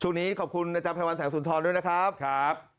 ช่วงนี้ขอบคุณอาจารย์ไพรวันแสงสุนทรด้วยนะครับ